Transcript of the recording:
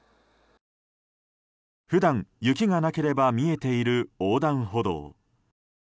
普段、雪がなければ見えている横断歩道。